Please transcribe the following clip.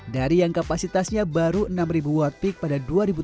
dari yang kapasitasnya baru enam ribu watt peak pada dua ribu tujuh belas